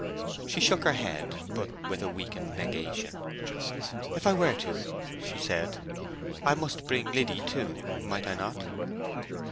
She shook her head, but with a weakened negation. "If I were to," she said, "I must bring Liddy too. Might I not?"